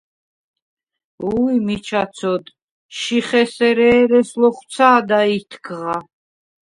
–უ̄ჲ, მიჩა ცოდ, შიხ ესერ ერე̄ს ლოხუ̂ცა̄და ითქღა!